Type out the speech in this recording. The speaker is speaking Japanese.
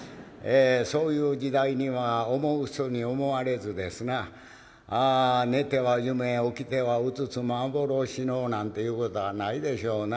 そういう時代には思う人に思われずですな「寝ては夢起きては現幻の」なんていうことはないでしょうな。